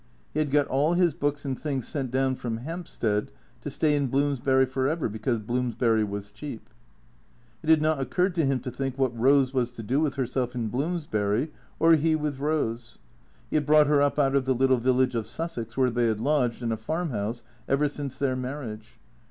He had got all his books and things sent down from Hampstead, to stay in Bloomsbury for ever, because Bloomsbury was cheap. It had not occurred to him to think what Eose was to do with herself in Bloomsbury or he with Eose. He had brought her up out of the little village of Sussex where they had lodged, in a farmhouse, ever since their marriage.